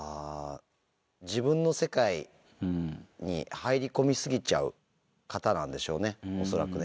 自分の世界に入り込み過ぎちゃう方なんでしょうね、恐らくね。